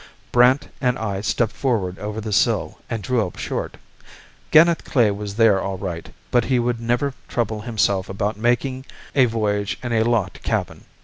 Brandt and I stepped forward over the sill and drew up short. Ganeth Klae was there all right, but he would never trouble himself about making a voyage in a locked cabin.